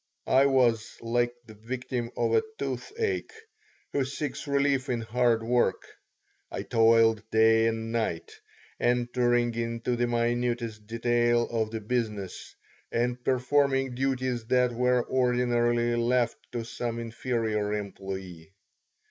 I was like the victim of a toothache who seeks relief in hard work. I toiled day and night, entering into the minutest detail of the business and performing duties that were ordinarily left to some inferior employee.